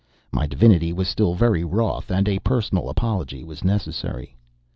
My Divinity was still very wroth, and a personal apology was necessary.